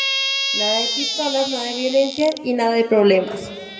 Nada de pistolas, nada de violencia y nada de problemas.